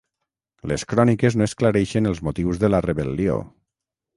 Les cròniques no esclareixen els motius de la rebel·lió.